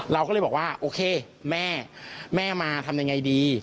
เราก็เลยบอกว่าโอเคแม่แม่มาทำยังไงดี